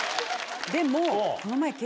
でも。